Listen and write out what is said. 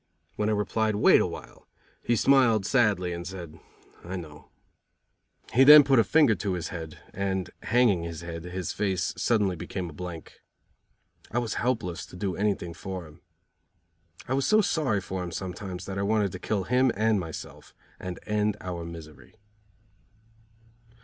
When I replied: "Wait awhile," he smiled sadly, and said: "I know." He then put his finger to his head, and, hanging his head, his face suddenly became a blank. I was helpless to do anything for him. I was so sorry for him sometimes that I wanted to kill him and myself and end our misery.